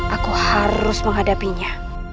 aku harus menghadapinya